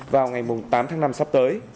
vào ngày tám tháng năm sắp tới